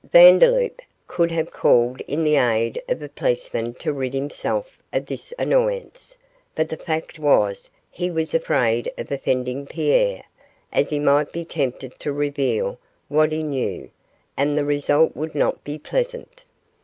Vandeloup could have called in the aid of a policeman to rid himself of this annoyance, but the fact was he was afraid of offending Pierre, as he might be tempted to reveal what he knew, and the result would not be pleasant.